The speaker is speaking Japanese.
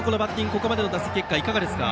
ここまでの打席はいかがですか？